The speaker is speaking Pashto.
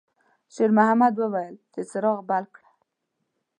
شېرمحمد وویل چې څراغ بل کړه.